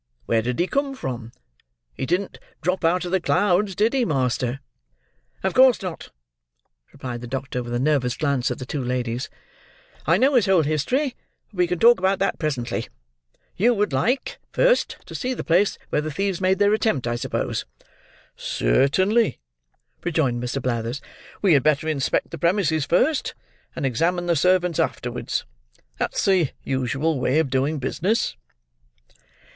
Where did he come from? He didn't drop out of the clouds, did he, master?" "Of course not," replied the doctor, with a nervous glance at the two ladies. "I know his whole history: but we can talk about that presently. You would like, first, to see the place where the thieves made their attempt, I suppose?" "Certainly," rejoined Mr. Blathers. "We had better inspect the premises first, and examine the servants afterwards. That's the usual way of doing business."